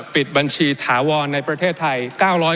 ปิดบัญชีถาวรในประเทศไทย